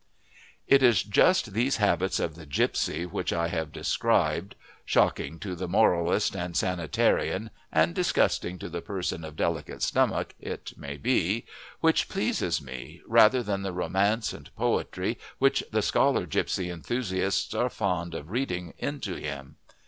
It is just these habits of the gipsy which I have described, shocking to the moralist and sanitarian and disgusting to the person of delicate stomach, it may be, which please me, rather than the romance and poetry which the scholar gipsy enthusiasts are fond of reading into him.